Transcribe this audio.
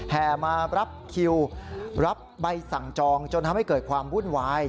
แห่มารับคิวรับใบสั่งจองจนทำให้เกิดความวุ่นวาย